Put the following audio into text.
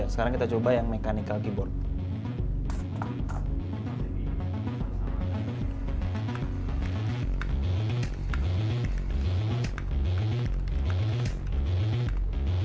sekarang kita coba yang mechanical keyboard